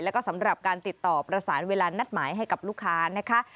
แล้วก็สำหรับการติดต่อประสานเวลานัดหมายให้กับลูกค้านะคะ